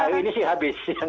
hari ini sih habis